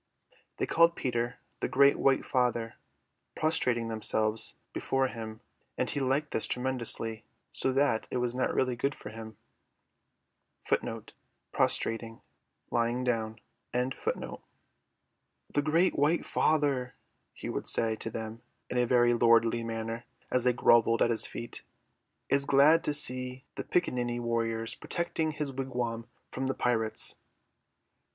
They called Peter the Great White Father, prostrating themselves before him; and he liked this tremendously, so that it was not really good for him. "The great white father," he would say to them in a very lordly manner, as they grovelled at his feet, "is glad to see the Piccaninny warriors protecting his wigwam from the pirates."